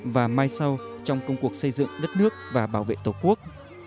và mai sau trong công cuộc xây dựng đất nước và bảo vệ tổ quốc